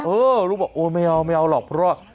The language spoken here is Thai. เออลุงบอกไม่เอาหรอกเพราะว่า